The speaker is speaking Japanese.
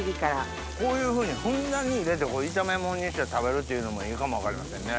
こういうふうにふんだんに入れて炒めものにして食べるっていうのもいいかも分かりませんね。